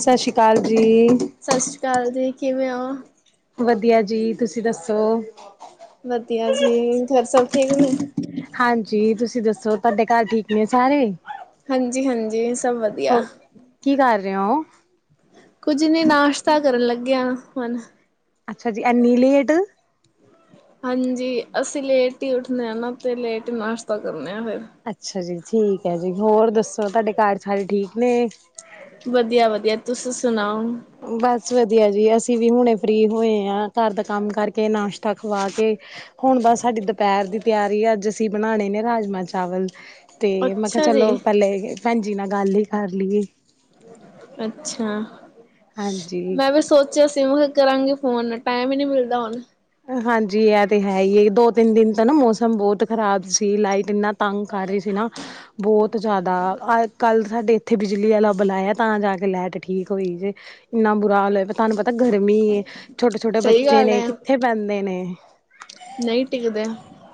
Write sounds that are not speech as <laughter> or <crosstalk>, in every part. ਸਸ਼੍ਰੀ ਕਾਲ ਜੀ। ਸਤਿ ਸ਼੍ਰੀ ਅਕਾਲ ਜੀ, ਕਿਵੇਂ ਓ? ਵਦੀਆ ਜੀ, ਤੁਸੀਂ ਦੱਸੋ। ਵਦੀਆ ਜੀ, ਘਰ ਸਭ ਠੀਕ ਨੇ। ਹਾਂਜੀ, ਤੁਸੀਂ ਦੱਸੋ, ਤੁਹਾਡੇ ਘਰ ਠੀਕ ਨੇ ਸਾਰੇ? ਹਾਂਜੀ-ਹਾਂਜੀ, ਸਭ ਵਧ ਹੋ, ਕੀ ਕਰ ਰਹੇ ਓੰ? ਕੁਝ ਨੀ ਨਾਸ਼ਤਾ ਕਰਨ ਲੱਗੇ ਆਂ, ਹੁਨ। ਅੱਛਾ ਜੀ, ਐਨੀ ਲੇਟ? ਹਾਂਜੀ, ਅਸੀਂ ਲੇਟ ਹੀ ਉੱਠਨੇ ਆ ਨਾ, ਤੇ ਲੇਟ ਨਾਸ਼ਤਾ ਕਰਨੇ ਆਂ, ਫਿਰ। ਅੱਛਾ ਜੀ, ਠੀਕ ਐ ਜੀ, ਹੋਰ ਦੱਸੋ, ਤੁਹਾਡੇ ਘਰ ਸਾਰੇ ਠੀਕ ਨੇ? ਵਦੀਆ-ਵਦੀਆ, ਤੁਸੀ ਸੁਣਾਓ? ਬਸ ਵਧੀਆ ਜੀ, ਅਸੀਂ ਵੀ ਹੁਣੇ ਫ੍ਰੀ ਹੋਏ ਆਂ, ਘਰ ਦਾ ਕੰਮ ਕਰਕੇ, ਨਾਸ਼ਤਾ ਖਵਾਕੇ। ਹੁਣ ਬਸ ਸਾਡੀ ਦੁਪਹਿਰ ਦੀ ਤਿਆਰੀ ਆ, ਅੱਜ ਅਸੀਂ ਬਣਾਣੇ ਨੇ ਰਾਜਮਾ-ਚਾਵਲ। ਤੇ ਮੈਂ ਕਿਹਾ ਅੱਛਾ ਜੀ ਚਲੋ, ਪਹਿਲੇ ਭੈਂਜੀ ਨਾਲ ਗੱਲ ਈ ਕਰ ਲੀਏ। ਅੱਛਾ, ਹਾਂਜੀ ਮੈਂ ਵੀ ਸੋਚ ਸੋਚਿਆਂ ਸੀ, ਮ ਕਰਾਂਗੀ ਫ਼ੋਨ, ਟਾਈਮ ਈ ਨਹੀਂ ਮਿਲਦਾ ਹੁਣ। ਹਾਂਜੀ, ਐਹ ਤੇ ਹੈਹੀ ਏ, ਦੋ-ਤਿੰਨ ਦਿਨ ਤੋ ਨਾ ਮੌਸਮ ਬਹੁਤ ਖਰਾਬ ਸੀ, ਲਾਈਟ ਇੰਨਾ ਤੰਗ ਕਰ ਰਹੀ ਸੀ ਨਾ ਬਹੁਤ ਜ਼ਿਆਦਾ, ਅ ਕੱਲ ਸਾਡੇ ਇੱਥੇ ਬਿਜਲੀ ਵਾਲਾ ਬਲਾਇਆ ਤਾਂ ਜਾਕੇ ਲਾਈਟ ਠੀਕ ਹੋਈ ਜੇ। ਇੰਨਾ ਬੁਰਾ ਹਾਲ ਏ, ਤੁਹਾਨੂੰ ਪਤਾ ਗਰਮੀ ਏ, ਛੋਟੇ-ਛੋਟੇ ਸਹੀ ਬੱਚੇ ਗੱਲ ਨੇ, ਹੈ ਕਿੱਥੇ ਪੈਂਦੇ ਨੇ। ਨਹੀਂ ਟਿਕਦੇ।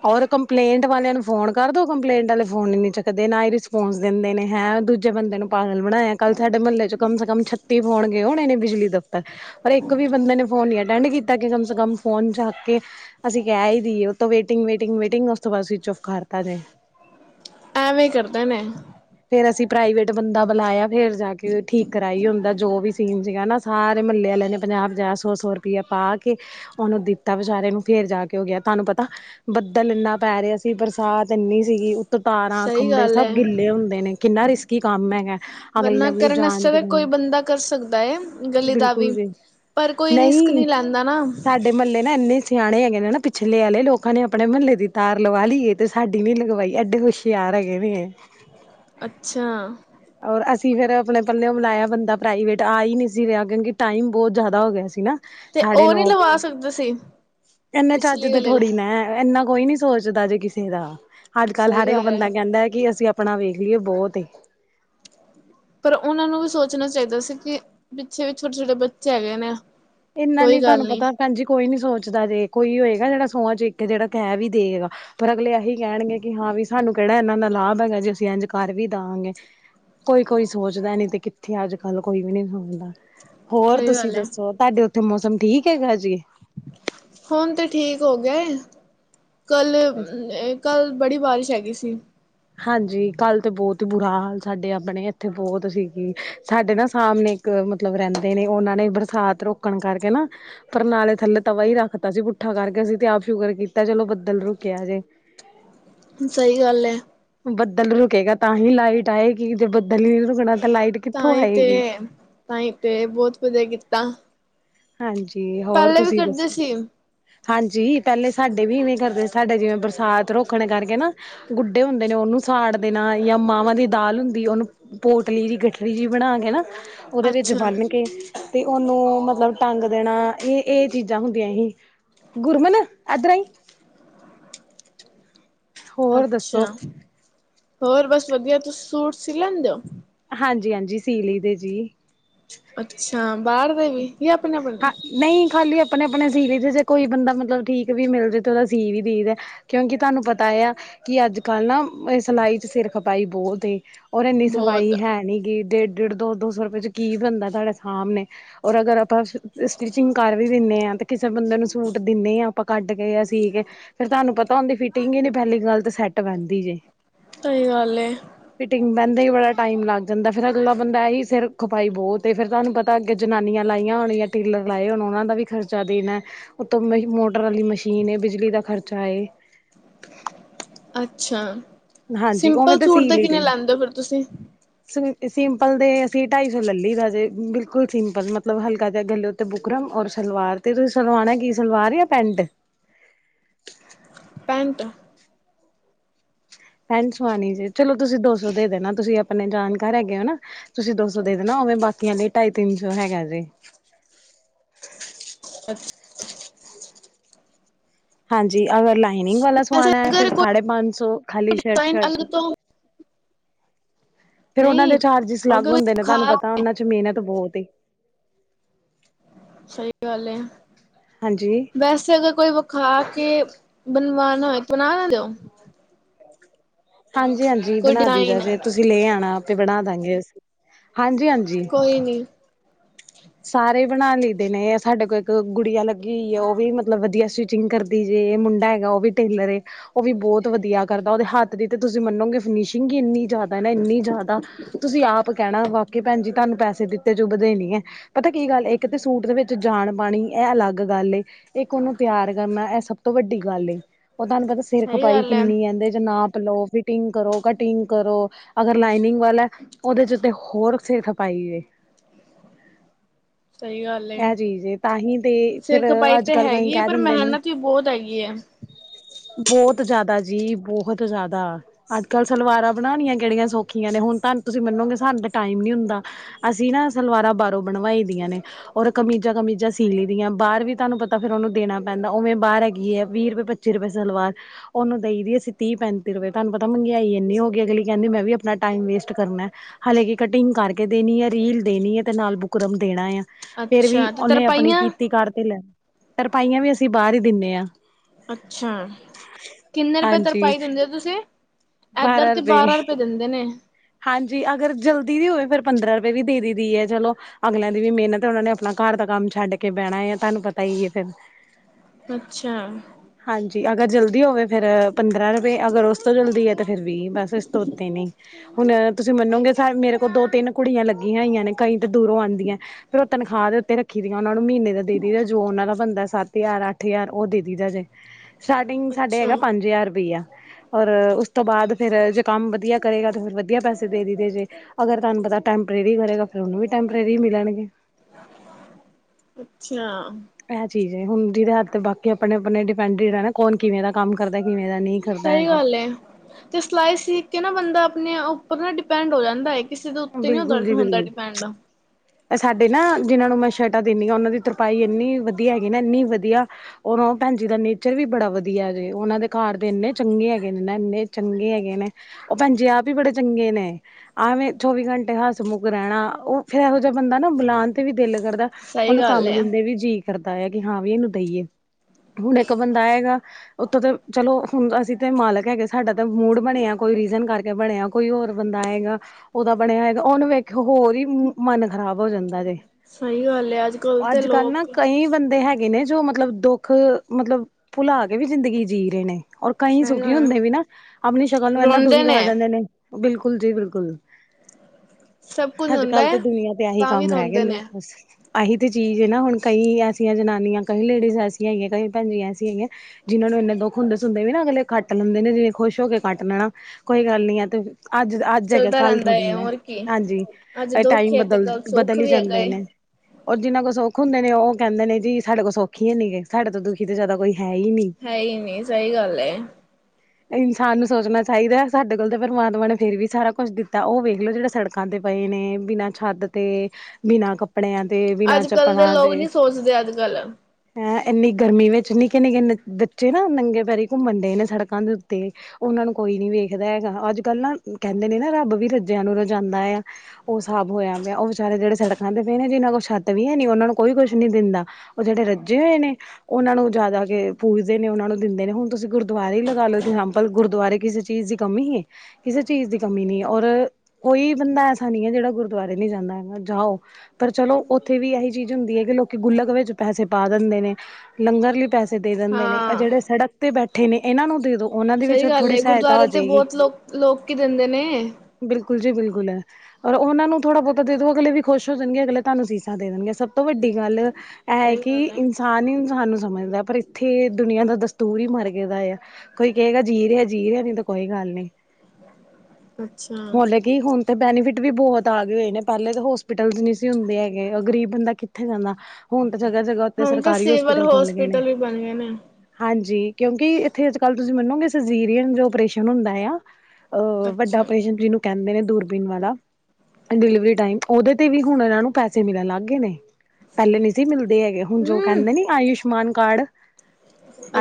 ਔਰ ਕੰਪਲੇਂਟ ਵਾਲਿਆਂ ਨੂੰ ਫੋਨ ਕਰਦੋ, ਕੰਪਲੇਂਟ ਵਾਲੇ ਫੋਨ ਈ ਨੀ ਚੱਕਦੇ, ਨਾ ਹੀ ਰਿਸਪੋਂਸ ਦਿੰਦੇ ਨੇ ਹੈ ਦੂਜੇ ਬੰਦੇ ਨੂੰ ਪਾਗਲ ਬਣਾਇਆ ਕੱਲ ਸਾਡੇ ਮਹੱਲੇ ਚ ਕਮ ਸੇ ਕਮ ਛੱਤੀ ਫੋਨ ਗੇਏ ਹੋਣੇ ਨੇ ਬਿਜਲੀ ਦ ਪਰ ਇੱਕ ਵੀ ਬੰਦੇ ਨੇ ਫੋਨ ਨਹੀਂ ਅਟੈਂਡ ਕੀਤਾ ਤਾਂ ਕਿ ਕਮ ਸੇ ਕਮ ਫੋਨ ਚੱਕ ਕੇ ਅਸੀਂ ਕਹਿ ਹੀ ਦਈਏ ਉਤੋਂ ਵੀ ਵੇਟਿੰਗ ਵੇਟਿੰਗ ਵੇਟਿੰਗਉਸ ਤੋਂ ਬਾਦ ਸਵਿਚ ਆਫ ਕਰਤਾ ਜੇ ਐਵੇਂ ਕਰਦੇ ਨੇ ਫੇਰ ਅਸੀਂ ਪ੍ਰਾਈਵੇਟ ਬੰਦਾ ਬੁਲਾਇਆ ਫੇਰ ਜਾ ਕੇ ਠੀਕ ਕਰਾਈ ਹੁੰਦਾ ਜੋ ਵੀ ਸੀਨ ਸੀਗਾ ਸਾਰੇ ਮਹੱਲੇ ਵਾਲਿਆਂ ਨੇ ਪੰਜਾਹ ਪੰਜਾਹ ਸੌ ਸੌ ਰੁਪਈਆ ਪਾ ਕੇ ਉਹਨੂੰ ਦਿੱਤਾ ਵਿਚਾਰੇ ਨੂੰ ਫੇਰ ਜਾ ਕੇ ਉਹ ਗਿਆ ਤੁਹਾਨੂੰ ਪਤਾ ਬੱਦਲ ਇੰਨਾ ਪੈ ਰਿਹਾ ਸੀ ਬਰਸਾਤ ਇੰਨੀ ਸੀਗੀ ਉੱਤੋਂ ਤਾਰਾਂ ਸਹੀ ਖੰਭੇ ਗੱਲ ਸਭ ਹੈ ਗਿੱਲੇ ਹੁੰਦੇ ਨੇ ਕਿੰਨਾ ਰਿਸਕੀ ਕੰਮ ਹੈਗਾ ਅਗਲੇ ਨੇ ਵਰਨਾ ਆਪਣੀ ਕਰਨ ਜਾਨ ਵਾਸਤੇ ਤੇ ਤਾਂ ਕੋਈ ਬੰਦਾ ਕਰ ਸਕਦਾ ਹੈ ਗਲੀ ਦਾ ਵੀ ਬਿਲਕੁਲ ਜੀ ਪਰ ਕੋਈ ਰਿਸਕ ਨਹੀਂ ਲੈਂਦਾ ਨਾ ਸਾਡੇ ਮਹੱਲੇ ਨਾ ਇੰਨੇ ਸਿਆਣੇ ਹੈਗੇ ਨੇ ਨਾ ਪਿਛਲੇ ਵਾਲੇ ਲੋਕ ਲੋਕਾਂ ਨੇ ਆਪਣੇ ਮਹੱਲੇ ਦੀ ਤਾਰ ਲਵਾ ਲਈਏ ਤੇ ਸਾਡੀ ਨੀ ਲਗਵਾਈ ਐਡੇ ਹੁਸ਼ਿਆਰ ਹੈਗੇ ਨੇ ਅੱਛਾ ਔਰ ਅਸੀਂ ਫੇਰ ਆਪਣੇ ਪੱਲਿਓ ਬੁਲਾਇਆ ਬੰਦਾ ਪ੍ਰਾਈਵੇਟ ਆ ਈ ਨਹੀਂ ਸੀ ਰਿਹਾ ਕਿਉਂਕਿ ਟਾਈਮ ਬੋਤ ਜ਼ਿਆਦਾ ਹੋ ਗਿਆ ਸੀ ਨਾ ਤੇ ਸਾਢੇ ਉਹ ਨਹੀਂ ਨੌ ਲਵਾ ਸਕਦੇ ਸੀ ਇਹਨਾਂ ਚੱਜ ਪਿਛਲੀ ਦੇ ਗਲੀ ਆਲੇ ਥੋੜੀ ਨਾ ਇੰਨਾ ਕੋਈ ਨੀ ਸੋਚਦਾ ਜੇ ਕਿਸੇ ਦਾ ਅੱਜ ਕੱਲ੍ਹ ਸਹੀ ਹਰ ਇੱਕ ਗੱਲ ਬੰਦਾ ਹੈ ਕਹਿੰਦਾ ਕਿ ਅਸੀਂ ਆਪਣਾ ਵੇਖ ਲਈਏ ਬੋਤ ਏ ਪਰ ਉਹਨਾਂ ਨੂੰ ਵੀ ਸੋਚਣਾ ਚਾਈਦਾ ਸੀ ਕਿ ਪਿੱਛੇ ਵੀ ਛੋਟੇ ਛੋਟੇ ਬੱਚੇ ਹੈਗੇ ਨੇ ਆ ਇੰਨਾ ਨੀ ਤੁਹਾਨੂੰ ਪਤਾ ਭੈਣ ਜੀ ਕੋਈ ਨੀ ਸੋਚਦਾ ਜੇ ਕੋਈ ਹੋਏਗਾ ਜਿਹੜਾ ਸੋਆ ਚੋ ਇੱਕ ਜਿਹੜਾ ਕਹਿ ਵੀ ਦੇਵੇਂਗਾ ਪਰ ਅਗਲੇ ਇਹੀ ਕਹਿਣਗੇ ਕਿ ਹਾਂ ਵੀ ਸਾਨੂੰ ਕਿਹੜਾ ਇਹਨਾਂ ਦਾ ਲਾਭ ਹੈਗਾ ਜੇ ਅਸੀਂ ਐੰਝ ਕਰ ਵੀ ਦੇਵਾਂਗੇ ਕੋਈ ਕੋਈ ਸੋਚਦਾਂ ਨੀ ਤੇ ਕਿੱਥੇ ਅੱਜ ਕੱਲ ਕੋਈ ਵੀ ਨੀ ਸੋਚਦਾਂ ਹੋਰ ਸਹੀ ਤੁਸੀਂ ਗੱਲ ਹੈ ਦੱਸੋ ਤੁਹਾਡੇ ਉੱਥੇ ਮੌਸਮ ਠੀਕ ਹੈਗਾ ਜੇ ਹੁਣ ਤਾਂ ਠੀਕ ਹੋ ਗਏ ਕੱਲ ਕੱਲ ਬੜੀ ਬਾਰਿਸ਼ ਹੈਗੀ ਸੀ ਹਾਂਜੀ ਕੱਲ ਤੇ ਬੋਤ ਹੀ ਬੁਰਾ ਹਾਲ ਸਾਡੇ ਆਪਣੇ ਇੱਥੇ ਬੋਤ ਸੀਗੀ ਸਾਡੇ ਨਾ ਸਾਹਮਣੇਂ ਮਤਲਬ ਰਹਿੰਦੇ ਨੇ ਉਹਨਾਂ ਨੇ ਬਰਸਾਤ ਰੋਕਣ ਕਰਕੇ ਨਾ ਪਰ ਨਾਲੇ ਥੱਲੇ ਤਵਾ ਹੀ ਰੱਖਤਾ ਸੀ ਪੁੱਠਾ ਕਰਕੇ ਅਸੀਂ ਤੇ ਆਪ ਸੂਕਰ ਕੀਤਾ ਚਲੋਂ ਬੱਦਲ਼ ਰੁਕਿਆਂ ਜੇ ਸਹੀ ਗੱਲ ਹੈ ਬੱਦਲ ਰੁੱਕੇਗਾ ਤਾਂ ਹੀ ਲਾਈਟ ਆਏਂਗੀ ਜੇ ਬੱਦਲ ਹੀ ਨਹੀਂ ਰੁਕਣਾ ਤਾਂ ਲਾਈਟ ਤਾਂ ਕਿੱਥੋਂ ਹੀ ਤੇ ਆਏਗੀ ਤਾਂ ਹੀ ਤੇ ਬਹੁਤ ਵਧੀਆਂ ਕੀਤਾਂ ਹਾਂਜੀ ਹੋਰ ਤੁਸੀਂ ਕਰਦੇ ਦੱਸੋਂ ਸੀ ਹਾਂਜੀ ਪੈਲੇ ਸਾਡੇ ਵੀ ਇਵੇਂ ਕਰਦੇ ਸਾਡੇ ਜਿਵੇਂ ਬਰਸਾਤ ਰੋਕਣ ਕਰਕੇ ਨਾ ਗੁੱਡੇ ਹੁੰਦੇ ਨੇ ਉਹਨੂੰ ਸਾੜ ਦੇਣਾਂ ਜਾਂ ਮਾਵਾਂ ਦੀ ਦਾਲ਼ ਹੁੰਦੀ ਉਹਨੂੰ ਪੋਟਲੀ ਜਿ ਗਠਰੀ ਜਿਹੀ ਬਣਾ ਕੇ ਨਾ ਉਹਦੇ ਵਿੱਚ ਅੱਛਾ ਬੰਨ੍ਹ ਕੇ ਤੇ ਉਹਨੂੰ ਮਤਲਬ ਟੰਗ ਦੇਣਾਂ ਇਹ ਇਹ ਚੀਜ਼ਾਂ ਹੁੰਦੀਆਂ ਹੀ ਗੁਰਮਨ ਇੱਧਰ ਆਈ ਹੋਰ ਦੱਸੋ ਅੱਛਾ ਹੋਰ ਬਸ ਵਧੀਆਂ ਤੁਸੀਂ ਸੂਟ ਸੀ ਲੈਂਦੇ ਹੋ ਹਾਂਜੀ ਹਾਂਜੀ ਸੀਲੀ ਦੇ ਜੀ ਅੱਛਾ ਬਾਹਰ ਦੇ ਵੀ ਯਾ ਆਪਣੇਂ ਹਾਂ ਆਪਣੇਂ ਨਹੀਂ ਖਾਲੀ ਆਪਣੇਂ ਆਪਣੇਂ ਸੀ ਲਈ ਦੇ ਜੇ ਕੋਈ ਬੰਦਾ ਮਤਲਬ ਠੀਕ ਵੀ ਮਿਲ ਜੇ ਤੇ ਉਹਦਾ ਸੀ ਵੀ ਦਈ ਦਾ ਕਿਉਂਕਿ ਤੁਹਾਨੂੰ ਪਤਾ ਹੈ ਆ ਕਿ ਅੱਜ ਕੱਲ ਨਾ ਸਿਲਾਈ ਚ ਸਿਰ ਖਪਾਈ ਬੋਤ ਐਂ ਔਰ ਇੰਨੀ ਬਹੁਤ ਸਵਾਈ ਹੈ ਨੀ ਗੀ ਡੇ ਡੇਢ ਦੋ ਦੋ ਸੌ ਰੁਪਏ ਚ ਕੀ ਬਣਦਾ ਤੁਹਾਡੇ ਸਾਹਮਣੇ ਔਰ ਅਗਰ ਆਪ ਸਟਿਚਿੰਗ ਕਰ ਵੀ ਦਿੰਦੇ ਹਾਂ ਤੇ ਕਿਸੇ ਬੰਦੇ ਨੂੰ ਸੂਟ ਦਿੰਦੇ ਹਾਂ ਆਪਾਂ ਕੱਢ ਕੇ ਜਾਂ ਸੀ ਕੇ ਫੇਰ ਤੁਹਾਨੂੰ ਪਤਾ ਓਦੀ ਫਿਟਿੰਗ ਈ ਨੀ ਪਹਿਲੀ ਗੱਲ ਤੇ ਸੈੱਟ ਬਹਿੰਦੀ ਜੇ। ਸਈ ਗੱਲ ਐ। ਫਿਟਿੰਗ ਪਹਿੰਦਾ ਹੀ ਬੜਾ ਟਾਈਮ ਲੱਗ ਜਾਂਦਾ ਫਿਰ ਅਗਲਾ ਬੰਦਾ ਐਈ ਸਿਰ ਖਪਾਈ ਬੋਤ ਐ ਫਿਰ ਤੁਹਾਨੂੰ ਪਤਾ ਤਾਂ ਅੱਗੇ ਜਨਾਨੀਆਂ ਲਾਈਆਂ ਹੋਣ ਜਾਂ ਟੀਲਰ ਲਾਏ ਹੋਣ ਓਨਾਂ ਦਾ ਵੀ ਖਰਚਾ ਦੇਣਾ। ਉਤੋਂ ਮੇਰੀ ਮੋਟਰ ਆਲੀ ਮਸ਼ੀਨ ਬਿਜਲੀ ਦਾ ਖ਼ਰਚਾ ਏ। ਅੱਛਾ, ਹਾਂਜੀ ਉਵੇਂ ਸਿੰਪਲ ਤਾਂ ਸੂਟ ਦੇ ਕਿੰਨੇ ਲੈਂਦੇ ਓ ਫਿਰ ਤੁਸੀਂ? ਸਿੰ-ਸਿੰਪਲ ਦੇ ਅਸੀਂ ਢਾਈ ਸੌ ਲਈ ਦਾ ਜੇ ਬਿਲਕੁਲ ਸਿੰਪਲ ਮਤਲਬ ਹਲਕਾ ਜਾ ਕਹਿਲੋ, ਤੇ ਬੁਕਰਮ ਔਰ ਸਲਵਾਰ ਤੇ ਤੁਸੀਂ ਸਲਵਾਣਾ ਕੀ ਸਲਵਾਰ ਜਾਂ ਪੈਂਟ। ਪੈਂਟ, ਪੈਨ ਸਵਾਣੀ ਜੇ ਚਲੋ ਤੁਸੀਂ ਦੋ ਸੌ ਦੇ ਦੇਣਾ ਤੁਸੀਂ ਆਪਣੇ ਜਾਣਕਾਰ ਹੈਗੇ ਓ ਨਾ। ਤੁਸੀਂ ਦੋ ਸੌ ਦੇ ਦੇਣਾ ਉਵੇਂ ਬਾਕੀਆਂ ਲਈ ਢਾਈ ਤਿੰਨ ਸੌ ਹੈਗਾ ਜੇ। ਅੱਛਾ, ਹਾਂਜੀ, ਅਗਰ ਲਾਈਨਿੰਗ ਵਾਲਾ ਵੈਸੇ ਸੋਆਣਾ ਅਗਰ ਫਿਰ ਕੋਈ ਸਾਢੇ ਪੰਜ ਸੌ ਖਾਲੀ। ਸ਼ਰਟ ਸ਼ਰਟ <inaudible> ਦੇ ਤੋਂ ਫੇਰ ਉਹਨਾਂ ਦੇ ਨਹੀਂ ਚਾਰਜਿਸ ਅਲੱਗ ਅਗਰ ਕੋਈ ਹੁੰਦੇ ਨੇ ਤੁਹਾਨੂੰ ਵਿਖਾ ਪਤਾ ਉਹਨਾਂ ਚ ਮਿਹਨਤ ਬੋਹਤ ਏ। ਸਈ ਗੱਲ ਐ ਹਾਂਜੀ ਵੈਸੇ ਅਗਰ ਕੋਈ ਵਿਖਾ ਕੇ ਬਣਵਾਣਾ ਹੋਏ ਤੇ ਬਣਾ ਦੇਂਦੇ ਓ। ਹਾਂਜੀ ਹਾਂਜੀ, ਕੋਈ ਬਣਾ ਦਈ ਦਾ ਡਿਜ਼ਾਇਨ ਜੇ ਤੁਸੀਂ ਲੇ ਆਣਾ ਆਪੇ ਬਣਾ ਦਾਂਗੇ ਅਸੀਂ ਹਾਂਜੀ ਹਾਂਜੀ। ਕੋਈ ਨੀ। ਸਾਰੇ ਬਣਾ ਲਈ ਦੇ ਨੇ ਸਾਡੇ ਕੋਲ ਇੱਕ ਗੁੜੀਆਂ ਲੱਗੀ ਹੋਈਆ ਆ ਓ ਵੀ ਮਤਲਬ ਵਧੀਆ ਸ ਸਟਿਚਿੰਗ ਕਰਦੀ ਜੇ ਮੁੰਡਾ ਹੈਗਾ ਓ ਵੀ ਟੇਲਰ ਏ। ਓ ਵੀ ਬਹੁਤ ਵਧੀਆ ਕਰਦਾ ਉਹਦੇ ਹੱਥ ਦੀ ਤੇ ਤੁਸੀਂ ਮੰਨੋਗੇ ਫਿਨਿਸ਼ਿੰਗ ਈ ਇੰਨੀ ਜ਼ਿਆਦਾ ਨਾ ਇੰਨੀ ਜ਼ਿਆਦਾ। ਤੁਸੀਂ ਆਪ ਕਹਿਣਾ ਵਾਕਿਆ ਭੈਣ ਜੀ ਤੁਹਾਨੂੰ ਪੈਸੇ ਦਿੱਤੇ ਚੁਬ ਦੇ ਨੀ ਐ। ਪਤਾ ਕੀ ਗੱਲ ਇੱਕ ਤਾਂ ਸੂਟ ਦੇ ਵਿੱਚ ਜਾਣ ਪਾਣੀ ਏ ਅਲੱਗ ਗੱਲ ਏ। ਇਹ ਉਹਨੂੰ ਤਿਆਰ ਕਰਨਾ ਐ ਸਭ ਤੋਂ ਵੱਡੀ ਗੱਲ ਏ। ਉਹ ਤੁਹਾਨੂੰ ਪਤਾ ਸਿਰ ਸਹੀ ਖਪਾਈ ਗੱਲ ਹੈ ਕਿੰਨੀ ਏਦੇ ਚ ਨਾਪ ਲਓ। ਕਟਿੰਗ ਕਰੋ ਕਟਿੰਗ ਕਰੋ ਅਗਰ ਲਾਈਨਿੰਗ ਵਾਲਾ ਓਦੇ ਚ ਤੇ ਹੋਰ ਸਿਰ ਖਪਾਈ ਏ। ਸਹੀ ਗੱਲ ਏ ਐ ਚੀਜ਼ ਐ ਤਾਂਹੀ ਤੇ ਸਿਰ ਫਿਰ ਖਪਾਈ ਅੱਜ ਤੇ ਕੱਲ੍ਹ ਕਹੀਂ ਹੈਗੀ ਹੈ ਕਹਿ ਪਰ ਦਿੰਦੇ ਨੇ। ਮਿਹਨਤ ਵੀ ਬਹੁਤ ਹੈਗੀ ਹੈ ਬੋਤ ਜ਼ਿਆਦਾ ਜੀ ਬਹੁਤ ਜ਼ਿਆਦਾ ਅੱਜ ਕੱਲ ਸਲਵਾਰਾਂ ਬਣਾਣੀਆਂ ਕਿਹੜੀਆਂ ਸੌਖੀਆਂ ਨੇ ਹੁਣ ਤੁਹਾਨੂੰ ਤੁਸੀਂ ਮੰਨੋਗੇ ਸਾਨੂੰ ਤਾਂ ਟਾਈਮ ਨੀ ਹੁੰਦਾ। ਅਸੀਂ ਨਾ ਸਲਵਾਰਾਂ ਬਾਰੋਂ ਬਣਵਾਈ ਦੀਆਂ ਨੇ। ਔਰ ਕਮੀਜ਼ਾਂ ਕਮੀਜ਼ਾਂ ਸੀ ਲਈ ਦੀਆਂ ਬਾਹਰ ਵੀ ਤੁਹਾਨੂੰ ਪਤਾ ਫਿਰ ਉਹਨੂੰ ਦੇਣਾ ਪੈਂਦਾ ਉਵੇਂ ਬਾਹਰ ਹੈਗੀ ਐ ਵੀਹ ਰੁਪਏ ਪੱਚੀ ਰਪਏ ਸਲਵਾਰ ਉਹਨੂੰ ਦਈ ਦੀ ਐ। ਤੀਹ ਪੈਂਤੀ ਰੁਪਏ ਤੁਹਾਨੂੰ ਪਤਾ ਮਹਿੰਗਾਈ ਇੰਨੀ ਹੋ ਗਈ ਅਗਲੀ ਕਹਿੰਦੀ ਮੈਂ ਵੀ ਆਪਣਾ ਟਾਈਮ ਵੇਸਟ ਕਰਨਾ। ਹਾਲੇ ਕੀ ਕਟਿੰਗ ਕਰਕੇ ਦੇਣੀ ਐ ਰੀਲ ਦੇਣੀ ਐ ਤੇ ਨਾਲ ਬੁਕਰਮ ਦੇਣਾ ਆ। ਫਿਰ ਵੀ ਅੱਛਾ ਤੇ ਉਹਨੇ ਆਪਣੀ ਤਰਪਾਈਆਂ ਕੀਤੀ ਕਰ ਤੇ ਲੈ ਤਰਪਾਈਆਂ ਵੀ ਅਸੀਂ ਬਾਹਰ ਈ ਦੀਨੇ ਆ। ਅੱਛਾ, ਕਿੰਨੇ ਰੁਪਏ ਹਾਂਜੀ ਤਰਪਾਈ ਦਿੰਦੇ ਓ ਤੁਸੀਂ। ਏਧਰ ਤੇ ਬਾਰਾਂ ਰੁਪਏ ਦਿੰਦੇ ਨੇ। ਹਾਂਜੀ, ਅਗਰ ਜਲਦੀ ਦੀ ਹੋਵੇ ਫਿਰ ਪੰਦਰਾਂ ਰੁਪਏ ਵੀ ਦੇ ਦਈ ਦੀ ਐ ਚਲੋ। ਅਗਲਿਆਂ ਦੀ ਵੀ ਮਿਹਨਤ ਐ ਉਹਨਾਂ ਨੇ ਆਪਣਾ ਘਰ ਦਾ ਕੰਮ ਛੱਡ ਕੇ ਬਹਿਣਾ ਆ ਤੁਹਾਨੂੰ ਪਤਾ ਈ ਐ ਫਿਰ। ਅੱਛਾ। ਹਾਂਜੀ, ਅਗਰ ਜਲਦੀ ਹੋਵੇ ਫਿਰ ਪੰਦਰਾਂ ਰੁਪਏ ਅਗਰ ਉਸ ਤੋਂ ਜਲਦੀ ਐ ਤੇ ਫੇਰ ਵੀਹ ਬਸ ਇਸ ਤੋਂ ਉੱਤੇ ਨੀ। ਹੁਣ ਤੁਸੀਂ ਮੰਨੋਗੇ ਮੇਰੇ ਕੋਲ ਦੋ ਤਿੰਨ ਕੁੜੀਆਂ ਲੱਗੀਆਂ ਹੋਈਆਂ ਨੇ ਕਈ ਤਾਂ ਦੂਰੋਂ ਆਂਦੀਆਂ। ਫੇਰ ਓ ਤਨਖਾਹ ਦੇ ਉੱਤੇ ਰੱਖੀ ਦੀ ਆ ਉਹਨਾ ਨੂੰ ਮਹੀਨੇ ਦਾ ਦੇ ਦਈ ਦਾ ਜੋ ਓਨਾਂ ਦਾ ਬਣਦਾ ਸੱਤ ਹਜ਼ਾਰ ਅੱਠ ਹਜ਼ਾਰ ਓ ਦੇ ਦਈ ਜਾ ਜੇ। ਸਟਾਰਟਿੰਗ ਸਾਡੇ ਅੱਛਾ, ਹੈਗਾ ਪੰਜ ਹਜ਼ਾਰ ਰਪਈਆਂ ਔਰ ਉਸ ਤੋਂ ਬਾਅਦ ਫੇਰ ਜੇ ਕੰਮ ਵਧੀਆ ਕਰੇਗਾ ਤਾਂ ਫਿਰ ਵਧੀਆ ਪੈਸੇ ਦੇ ਦਈਦੇ ਜੇ ਅਗਰ ਤੁਹਾਨੂੰ ਪਤਾ ਟੈਂਪਰੇਰੀ ਕਰੇਗਾ ਫਿਰ ਉਹਨੂੰ ਵੀ ਟੈਂਪਰੇਰੀ ਮਿਲਣਗੇ। ਅੱਛਾ ਐ ਚੀਜ਼ ਏ ਹੁਣ ਜਿਹਦੇ ਹੱਥ ਬਾਕੀ ਆਪਣੇ-ਆਪਣੇ ਡਿਪੈਂਡਡ ਹੇਨਾ ਕੌਨ ਕਿਵੇਂ ਦਾ ਕੰਮ ਕਰਦਾ ਕਿਵੇਂ ਦਾ ਨਹੀਂ। ਕਰਦਾ ਸਹੀ ਹੈਗਾ ਗੱਲ ਏ, ਤੇ ਸਿਲਾਈ ਸਿੱਖ ਕੇ ਨਾ ਬੰਦਾ ਆਪਣੇ ਉੱਪਰ ਨਾ ਡਿਪੈਂਡ ਹੋ ਜਾਂਦਾ ਏ। ਕਿਸੇ ਦੇ ਉੱਤੇ ਨੀ ਹੁੰਦਾ ਡਿਪੈਂਡ। ਏ ਸਾਡੇ ਨਾ ਜਿਹਨਾਂ ਨੂੰ ਮੈਂ ਸ਼ਰਟਾਂ ਦਿੰਨੀ ਆ ਉਹਨਾਂ ਦੀ ਤਰਪਾਈ ਇੰਨੀ ਵਧੀਆ ਹੈਗੀ ਨਾ ਇੰਨੀ ਵਧੀਆ ਹੋਰ ਓ ਭੈਣ ਜੀ ਦਾ ਨੇਚਰ ਵੀ ਬੜਾ ਵਧੀਆ ਜੇ ਉਹਨਾਂ ਦੇ ਘਰ ਦੇ ਇੰਨੇ ਚੰਗੇ ਹੈਗੇ ਨੇ ਇੰਨੇ ਚੰਗੇ ਹੈਗੇ ਨੇ, ਉਹ ਪੈਂਜੀ ਆਪ ਈ ਬੜੇ ਚੰਗੇ ਨੇ। ਆਵੇਂ ਚੌਵੀ ਘੰਟੇ ਹਸਮੁੱਕ ਰਹਿਣਾ ਉਥੇ ਫੇਰ ਜਾਂ ਬੰਦਾ ਨਾ ਬੁਲਾਣ ਤੇ ਵੀ ਦਿਲ ਕਰਦਾ ਸਹੀ ਉਹਨੂੰ ਗੱਲ ਕੰਮ ਏ। ਦਿੰਦੇ ਵੀ ਜੀਅ ਕਰਦਾ ਆ ਕਿ ਹਾਂ ਵੀ ਇਹਨੂੰ ਦਈਏ। ਹੁਣ ਏਕ ਬੰਦਾ ਆਏਗਾ ਉੱਥੋਂ ਤਾਂ ਚਲੋ ਹੁਣ ਅਸੀਂ ਤੇ ਮਾਲਕ ਹੈਗੇ ਸਾਡਾ ਤਾਂ ਮੂਡ ਬਣਿਆ ਕੋਈ ਰੀਜਨ ਕਰਕੇ ਬਣਿਆ। ਕੋਈ ਹੋਰ ਬੰਦਾ ਆਏਗਾ, ਉਹਦਾ ਬਣਿਆ ਹੋਏਗਾ ਉਹਨੂੰ ਵੇਖਿਓ ਹੋਰ ਹੀ ਮਨ ਖ਼ਰਾਬ ਹੋ ਜਾਂਦਾ ਜੇ। ਸਹੀ ਗੱਲ ਏ ਅੱਜ ਕੱਲ੍ਹ ਤੇ ਅੱਜਕੱਲ੍ਹ ਨਾ ਲੋਕ ਕਈ ਬੰਦੇ ਹੈਗੇ ਨੇ ਜੋ ਮਤ ਮਤਲਬ ਦੁੱਖ, ਮਤਲਬ, ਭੁਲਾ ਕੇ ਵੀ ਜ਼ਿੰਦਗੀ ਜੀ ਰਹੇ ਨੇ। ਔਰ ਕਈ ਸਹੀ ਸੁਖੀ ਗੱਲ ਹੁੰਦੇ ਵੀ ਨਾ, ਆਪਣੀ ਸ਼ਕਲ ਨੂੰ ਇਨਾ ਦੁਖੀ ਕਰ ਦਿੰਦੇ ਨੇ। ਬਿਲਕੁਲ ਜੀ ਬਿਲਕੁਲ। ਸਭ ਕੁੱਝ ਅੱਜ ਹੁੰਦਾ ਕੱਲ੍ਹ ਏ। ਦੁਨੀਆਂ ਤੇ ਆਹੀ ਤਾਂ ਵੀ ਕੰਮ ਰਹਿ ਗਏ ਰੋਂਦੇ ਨੇ, ਬਸ। ਆਹੀ ਤਾਂ ਚੀਜ਼ ਹੈ ਨਾ ਹੁਣ ਕਈ ਐਸੀਆਂ ਜਨਾਨੀਆਂ ਕਈ ਲੇਡੀਜ਼ ਐਸੀਆਂ ਹੇਗੀਆਂ ਕਈ ਭੈਣ ਜੀਆਂ ਐਸੀਆਂ ਹੇਗੀਆਂ ਜਿਹਨਾਂ ਨੂੰ ਇੰਨੇ ਦੁੱਖ ਹੁੰਦੇ ਸੁਣਦੇ ਵੀ ਨਾ ਅਗਲੇ ਕੱਟ ਲੈਂਦੇ ਨੇ ਜਿਵੇਂ ਖੁਸ਼ ਹੋ ਕੇ ਕੱਟ ਲੈਣਾ ਕੋਈ ਗੱਲ ਨੀ ਹੈ ਤੇ ਅੱਜ, ਅੱਜ ਹੈਗਾ ਚੱਲਦਾ ਕੱਲ੍ਹ ਰਹਿੰਦਾ ਥੋੜੀ ਏ ਨਾ ਹੋਰ ਕੀ। ਹਾਂਜੀ। ਅੱਜ ਏਹ ਦੁੱਖ ਟਾਈਮ ਏ ਤੇ ਬਦਲ ਕੱਲ ਸੁੱਖ ਬਦਲ ਹੀ ਵੀ ਹੈਗਾ ਜਾਂਦੇ ਏ। ਨੇ। ਔਰ ਜਿੰਨਾ ਕੋਲ ਸੁੱਖ ਹੁੰਦੇ ਨੇ ਉਹ ਕਹਿੰਦੇ ਨੇ ਜੀ ਸਾਡੇ ਕੋਲ ਸੁੱਖ ਈ ਹੈਨੀ ਗੇ ਸਾਡੇ ਤੋਂ ਦੁਖੀ ਤਾਂ ਜ਼ਿਆਦਾ ਕੋਈ ਹੈ ਈ ਨੀ। ਹੈ ਈ ਨੀ ਸਹੀ ਗੱਲ ਏ। <inaudible> ਇਨਸਾਨ ਨੂੰ ਸੋਚਣਾ ਚਾਹੀਦਾ ਸਾਡੇ ਕੋਲ ਤਾਂ ਪਰਮਾਤਮਾ ਨੇ ਫੇਰ ਵੀ ਸਾਰਾ ਕੁਛ ਦਿੱਤਾ ਉਹ ਵੇਖ ਲੋ ਜਿਹੜੇ ਸੜਕਾਂ ਤੇ ਪਏ ਨੇ। ਬਿਨਾਂ ਛੱਤ ਤੇ, ਬਿਨਾਂ ਕੱਪੜਿਆਂ ਤੇ, ਬਿਨਾਂ ਅੱਜ ਕੱਲ੍ਹ ਦੇ ਚੱਪਲਾਂ ਤੇ ਲੋਕ ਨਹੀਂ ਸੋਚਦੇ ਅੱਜ ਕੱਲ ਹੈਂ ਏਨੀ ਗਰਮੀ ਵਿੱਚ ਨਿੱਕੇ-ਨਿੱਕੇ ਬੱਚੇ ਨਾ ਨੰਗੇ ਪੈਰੀ ਘੁੰਮਣ ਦਏ ਨੇ ਸੜਕਾਂ ਦੇ ਉੱਤੇ। ਉਹਨਾ ਨੂੰ ਕੋਈ ਨੀ ਵੇਖਦਾ ਹੈਗਾ ਅੱਜਕੱਲ੍ਹ ਨਾ ਕਹਿੰਦੇ ਨੇ ਨਾ ਰੱਬ ਵੀ ਰੱਜਿਆਂ ਨੂੰ ਰਜਾਂਦਾ ਆ। ਉਹ ਸਾਬ ਹੋਇਆ ਪਿਆ ਉਹ ਵਿਚਾਰੇ ਜਿਹੜੇ ਸੜਕਾਂ ਤੇ ਪਏ ਨੇ ਜਿਨਾ ਕੋਲ ਛੱਤ ਵੀ ਹੈ ਨੀ ਉਹਨਾਂ ਨੂੰ ਕੋਈ ਕੁਛ ਨੀ ਦਿੰਦਾ। ਉਹ ਜਿਹੜੇ ਰੱਜੇ ਹੋਏ ਨੇ ਉਹਨਾਂ ਨੂੰ ਜਾ-ਜਾ ਕੇ ਕੇ ਪੂਜਦੇ ਨੇ ਉਹਨਾਂ ਨੂੰ ਦਿੰਦੇ ਨੇ ਹੁਣ ਤੁਸੀਂ ਗੁਰਦੁਆਰੇ ਹੀ ਲਗਾ ਲਓ ਇਗਜਾਮਪਲ ਗੁਰਦੁਆਰੇ ਕਿਸੇ ਚੀਜ਼ ਦੀ ਕਮੀ ਏ ਕਿਸੇ ਚੀਜ਼ ਦੀ ਕਮੀ ਨੀ ਔਰ, ਕੋਈ ਬੰਦਾ ਐ ਐਸਾ ਨੀ ਏ ਜਿਹੜਾ ਗੁਰਦੁਆਰੇ ਨੀ ਜਾਂਦਾ ਹੈਗਾ ਜਾਓ ਪਰ ਚਲੋ ਉੱਥੇ ਵੀ ਇਹੀ ਚੀਜ਼ ਹੁੰਦੀ ਹੈ ਕਿ ਲੋਕੀ ਗੁੱਲਕ ਵਿੱਚ ਪੈਸੇ ਪਾ ਦਿੰਦੇ ਨੇ, ਲੰਗਰ ਲਈ ਪੈਸੇ ਦੇ ਦਿੰਦੇ ਨੇ ਹਾਂ ਜਿਹੜੇ ਸੜਕ ਤੇ ਬੈਠੇ ਬੈਠੇ ਨੇ ਇਹਨਾਂ ਨੂੰ ਦੇ ਦੋ ਉਹਨਾਂ ਦੀ ਵੀ ਸਹੀ ਗੱਲ ਥੋੜੀ ਹੈ ਸਹਾਇਤਾ ਹੋ ਗੁਰਦੁਆਰੇ ਤੇ ਜੇਗੀ। ਬਹੁਤ ਲੋਕ ਲੋਕ ਹੀ ਦਿੰਦੇ ਨੇ ਬਿਲਕੁਲ ਜੀ ਬਿਲਕੁਲ ਐ। ਔਰ ਉਹਨਾਂ ਨੂੰ ਥੋੜਾ ਬਹੁਤਾ ਦੇ ਦੋ ਅਗਲੇ ਵੀ ਖੁਸ਼ ਹੋ ਜਾਣਗੇ ਅਗਲੇ ਤੁਹਾਨੂੰ ਸੀਸਾ ਦੇਣਗੇ ਸਭ ਤੋਂ ਵੱਡੀ ਗੱਲ ਇਹ ਹੈ ਸਹੀ ਕਿ ਗੱਲ ਹੈ ਇਨਸਾਨ ਹੀ ਇਨਸਾਨ ਨੂੰ ਸਮਝਦਾ ਪਰ ਇੱਥੇ ਦੁਨੀਆਂ ਦਾ ਦਸਤੂਰ ਹੀ ਮਰ ਗਿਆ ਦਾ ਆ। ਕੋਈ ਕਹੇਗਾ ਜੀ ਰਿਹਾ ਜੀ ਰਿਹਾ ਨੀ ਤਾਂ ਕੋਈ ਗੱਲ ਨੀ। ਅੱਛਾ। ਨੀ ਹੁਣ ਤੇ ਬੈਨੀਫਿਟ ਵੀ ਬਹੁਤ ਆ ਗਏ ਹੋਏ ਨੇ ਪਹਿਲੇ ਤਾਂ ਹੋਸਪਿਟਲ ਨਹੀਂ ਸੀ ਹੁੰਦੇ ਹੈਗੇ ਗ਼ਰੀਬ ਬੰਦਾ ਕਿੱਥੇ ਜਾਂਦਾ। ਹੁਣ ਤਾਂ ਜਗ੍ਹਾ-ਜਗ੍ਹਾ ਉੱਤੇ ਹੁਣ ਤਾਂ ਸਰਕਾਰੀ ਸਿਵਲ ਹੋਸਪਿਟਲ ਖੁੱਲ ਗਏ ਨੇ। ਵੀ ਬਣ ਗਏ ਨੇ ਹਾਂਜੀ ਕਿਉਂਕਿ ਇੱਥੇ ਅੱਜ ਕੱਲ ਤੁਸੀਂ ਮੰਨੋਗੇ ਸੱਜੇਰੀਅਨ ਅਨਪਰੇਸ਼ਨ ਹੁੰਦਾ ਐਂ ਅ ਵੱਡਾ ਅੱਛਾ ਓਪਰੇਸ਼ਨ ਜਿਹਨੂੰ ਕਹਿੰਦੇ ਨੇ ਦੂਰਬੀਨ ਵਾਲਾ ਡਿਲੀਵਰੀ ਟਾਈਮ ਉਹਦੇ ਤੇ ਵੀ ਹੁਣ ਇਹਨਾਂ ਨੂੰ ਪੈਸੇ ਮਿਲਣ ਲੱਗ ਗਏ ਨੇ ਪਹਿਲੇ ਮਿਲਦੇ ਹੈਗੇ ਹੁਣ ਜੋ ਹਮ ਕਹਿੰਦੇ ਨੀ ਆਯੁਸ਼ਮਾਨ ਕਾਰਡ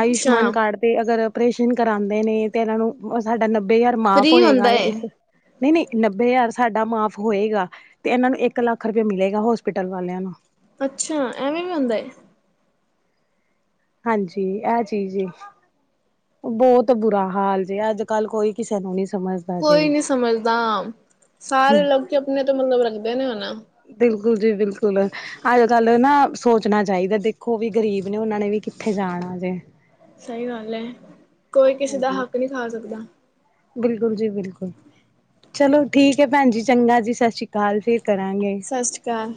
-ਆਯੁਸ਼ਮਾਨ ਕਾਰਡ ਤੇ ਅਗਰ ਆਪਰੇਸ਼ਨ ਕਰਾਂਦੇ ਨੇ ਤੇ ਇਹਨਾਂ ਨੂੰ ਸਾਡਾ ਨੱਬੇ ਹਜ਼ਾਰ ਮਾਫ਼ ਫ੍ਰਰੀ ਹੋਏਗਾ ਹੁੰਦਾ ਏ ਇੱਕ ਨਹੀਂ-ਨਹੀਂ ਨੱਬੇ ਹਜ਼ਾਰ ਸਾਡਾ ਮਾਫ਼ ਹੋਏਗਾ ਤੇ ਇਹਨਾਂ ਨੂੰ ਇੱਕ ਲੱਖ ਰੁਪਿਆ ਮਿਲ਼ੇਗਾ ਹੋਸਪਿਟਲ ਵਾਲਿਆਂ ਨੂੰ ਅੱਛਾ ਐਵੇਂ ਵੀ ਹੁੰਦਾ ਏ ਹਾਂਜੀ ਐਹ ਚੀਜ਼ ਏਂ। ਬਹੁਤ ਬੁਰਾ ਹਾਲ ਜੇ, ਅੱਜ਼ ਕੱਲ ਕੋਈ ਕਿਸੇ ਨੂੰ ਨੀਂ ਸਮਝ ਕੋਈ ਨੀਂ ਸਮਝਦਾਂ, ਸਾਰੇ ਲੋਕੀ ਆਪਣੇ ਤੋਂ ਮਤਲਬ ਰੱਖਦੇ ਨੇ ਹੁਣ। ਬਿਲਕੁਲ ਜੀ ਬਿਲਕੁਲ। ਅੱਜ਼ ਕੱਲ ਨਾ ਸੋਚਣਾ ਚਾਹੀਦਾ, ਦੇਖੋਂ ਵੀ ਗ਼ਰੀਬ ਨੇ ਉਹਨਾਂ ਨੇ ਵੀ ਕਿੱਥੇ ਜਾਣਾਂ ਜੇ। ਸਹੀ ਗੱਲ ਐਂ, ਕੋਈ ਕਿਸੇ ਦਾ ਹਾਂਜੀ ਹੱਕ ਨੀਂ ਖ਼ਾਂ ਸਕਦਾਂ। ਬਿਲਕੁਲ ਜੀ ਬਿਲਕੁਲ। ਚਲੋਂ ਠੀਕ ਹੈ ਭੈਣਜੀ ਚੰਗਾ ਜੀ, ਸਤਿ ਸ਼੍ਰੀ ਅਕਾਲ ਫ਼ਿਰ ਕਰਾਂਗੇ। ਸਤਿ ਸ਼੍ਰੀ ਅਕਾਲ।